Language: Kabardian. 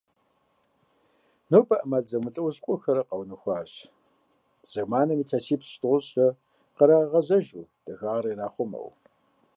Нобэ Iэмал зэмылIэужьыгъуэхэр къэунэхуащ, зэманым илъэсипщI-тIощIкIэ кърагъэгъэзэжу, дахагъэр ирахъумэу.